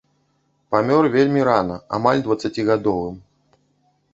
Памёр вельмі рана, амаль дваццацігадовым.